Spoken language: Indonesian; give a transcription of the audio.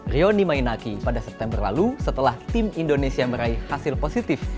rioni mainaki pada september lalu setelah tim indonesia meraih hasil positif